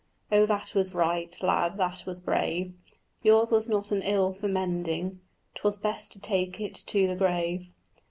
Oh that was right, lad, that was brave: Yours was not an ill for mending, 'Twas best to take it to the grave.